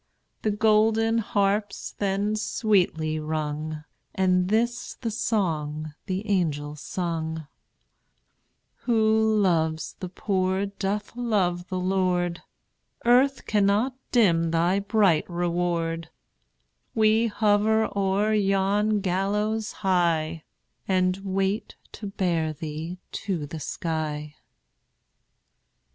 The golden harps then sweetly rung, And this the song the angels sung: "Who loves the poor doth love the Lord; Earth cannot dim thy bright reward: We hover o'er yon gallows high, And wait to bear thee to the sky."